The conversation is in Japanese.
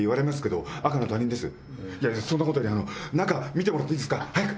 そんなことより中見てもらっていいですか早く。